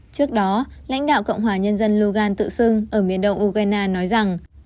trước đó lãnh đạo cộng hòa nhân dân logan tự xưng ở miền đông ukraine nói rằng